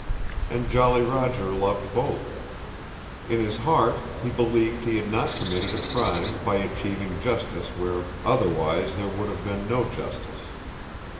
And Jolly Roger loved both. In his heart he believed he had not committed a crime by achieving justice where otherwise there would have been no justice.